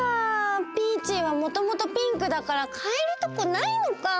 ピーチーはもともとピンクだからかえるとこないのかぁ。